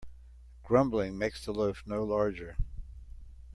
Grumbling makes the loaf no larger.